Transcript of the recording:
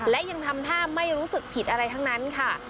และยังทำท่าไม่รู้สึกผิดอะไรทั้งนั้นค่ะ